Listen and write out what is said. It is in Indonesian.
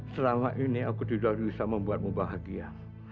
selama ini aku tidak bisa membuatmu bahagia